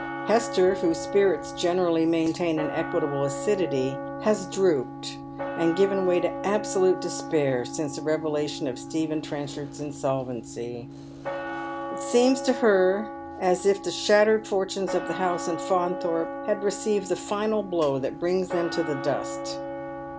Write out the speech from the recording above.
Hester, whose spirits generally maintain an equable acidity, haa drooped and given way to absolute despair since the revelation of Stephen Trencbard's insolvency. It seems to her as if the shattered fortunes of the house of Faunthorpe had received tiie final blow that brings them to the dust.